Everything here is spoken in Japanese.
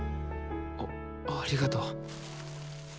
あありがとう。